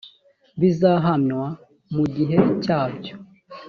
bizahamywa mu gihe cyabyo